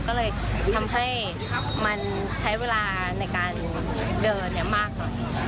ก็เลยทำให้มันใช้เวลาในการเดินมากหน่อย